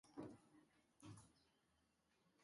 Erritmo motelekoa eta abagune gutxikoa izan da partida.